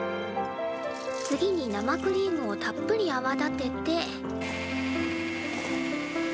次に生クリームをたっぷりあわ立てて。